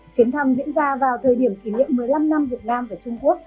chuyến thăm diễn ra vào thời điểm kỷ niệm một mươi năm năm việt nam và trung quốc